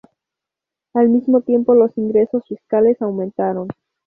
Al mismo tiempo los ingresos fiscales aumentaron.